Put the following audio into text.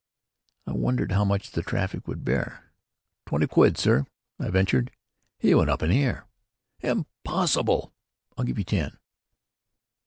I wondered how much the traffic would bear. "Twenty quid, sir," I ventured. He went up in the air. "Impossible! I'll give you ten."